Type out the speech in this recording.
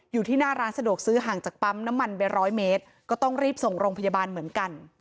อยู่ที่หน้าร้านสะดวกซื้อห่างจากปั๊มน้ำมันไปร้อยเมตรก็ต้องรีบส่งโรงพยาบาลเหมือนกัน